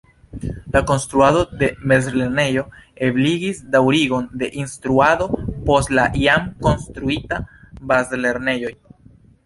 La konstruado de mezlernejo ebligis daŭrigon de instruado post la jam konstruitaj bazlernejoj.